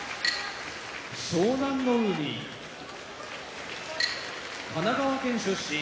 湘南乃海神奈川県出身